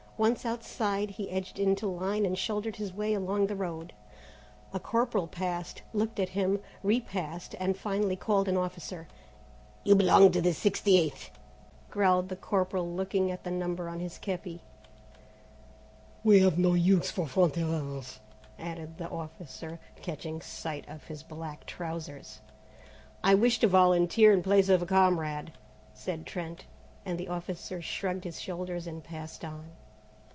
Once outside, he edged into line and shouldered his way along the road. A corporal passed, looked at him, repassed, and finally called an officer. "You belong to the 60th," growled the corporal looking at the number on his képi. "We have no use for Franc tireurs," added the officer, catching sight of his black trousers. "I wish to volunteer in place of a comrade," said Trent, and the officer shrugged his shoulders and passed on.